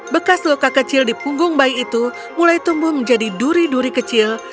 bekas luka kecil di punggung bayi itu mulai tumbuh menjadi duri duri kecil